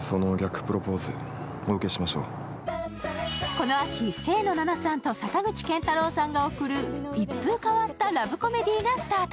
この秋、清野菜名さんと坂口健太郎さんが贈る一風変わったラブコメディーがスタート。